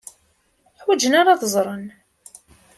Ur ḥwajen ara ad ẓren.